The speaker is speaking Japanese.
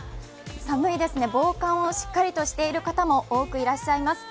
寒いですね、防寒をしっかりとしている方も多くいらっしゃいます。